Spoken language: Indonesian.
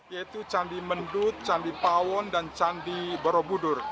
yaitu candi mendut candi pawon dan candi borobudur